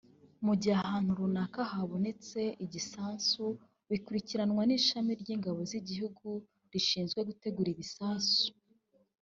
Mu gihe ahantu runaka habonetse igisasu bikurikiranwa n’ishami ry’ingabo z’igihugu rishinzwe gutegura ibisasu